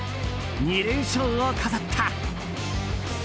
２連勝を飾った。